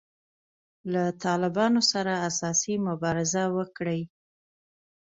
له طالبانو سره اساسي مبارزه وکړي.